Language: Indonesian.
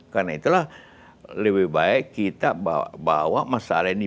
karena itulah lebih baik kita bawa masalah ini